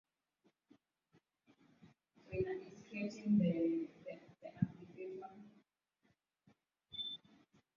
Dalili ya ugonjwa wa homa ya mapafu ni mnyama kukonda